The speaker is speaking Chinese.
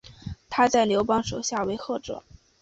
他在刘邦手下为谒者。